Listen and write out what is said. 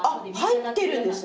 入ってるんですね？